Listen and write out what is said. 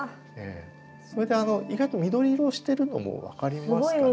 それで意外と緑色をしてるのも分かりますかね？